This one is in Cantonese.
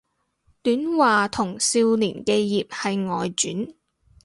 短話同少年寄葉係外傳